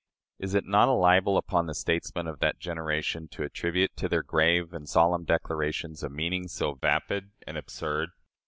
Is it not a libel upon the statesmen of that generation to attribute to their grave and solemn declarations a meaning so vapid and absurd?